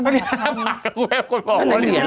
เหรียญ๕บาทคุณแม่งควรบอกว่าเหรียญหรอ